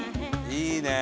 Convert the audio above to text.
いいね！